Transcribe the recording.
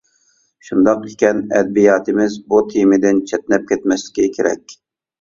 شۇنداق ئىكەن، ئەدەبىياتىمىز بۇ تېمىدىن چەتنەپ كەتمەسلىكى كېرەك.